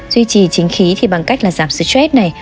duy trì chính khí thì bằng cách là giảm stress này